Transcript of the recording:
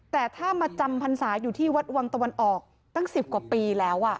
แต่ถ้ามาจำพรรษาอยู่ที่วัดวังตะวันออกตั้ง๑๐กว่าปีแล้ว